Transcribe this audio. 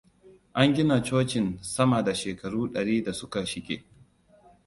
An gina cocin sama da shekaru dari da suka shige.